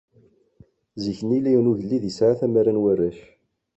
Zik-nni, yella yiwen n ugellid yesεa tmara n arrac.